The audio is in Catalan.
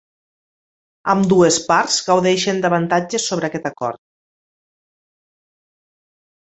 Ambdues parts gaudeixen d'avantatges sobre aquest acord.